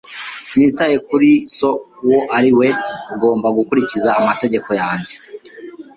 Sinitaye kuri so uwo ari we. Ugomba gukurikiza amategeko yanjye.